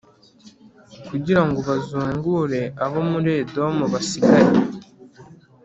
kugira ngo bazungure abo muri Edomu basigaye